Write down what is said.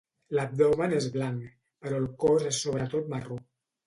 L'abdomen és blanc, però el cos és sobretot marró.